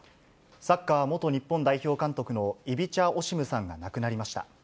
サッカー元日本代表監督のイビチャ・オシムさんが亡くなりました。